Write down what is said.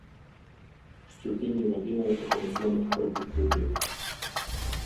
Shqyrtimi i vendimeve të komisionit për likuidim.